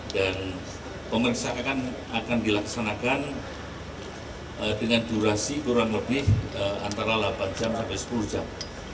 dan pemeriksaan akan dilaksanakan dengan durasi kurang lebih antara delapan jam sampai sepuluh jam